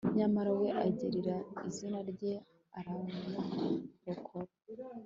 nyamara we, agirira izina rye arabarokora